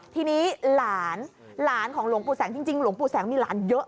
ทีนี้หลานหลานของหลวงปู่แสงจริงหลวงปู่แสงมีหลานเยอะ